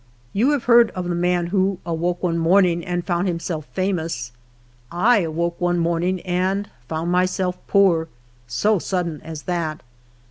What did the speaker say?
Von have heard of the man who " awoke one morning and found himself famous.'' I awoke one morning and 4 HALF A DJME A DAY. found myself poor— so sudden as that!